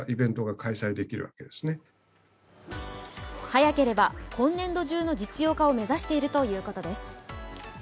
早ければ今年度中の実用化を目指しているということです。